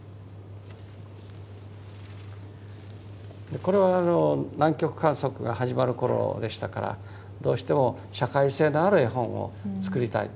これは南極観測が始まる頃でしたからどうしても社会性のある絵本を作りたいと。